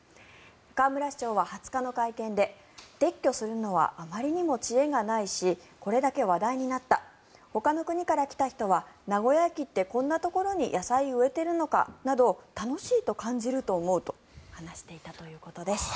河村市長は２０日の会見で撤去するのはあまりにも知恵がないしこれだけ話題になったほかの国から来た人は名古屋駅ってこんなところに野菜を植えているのかなど楽しいと感じると思うと話していたということです。